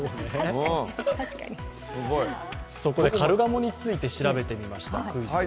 カルガモについて調べてみました。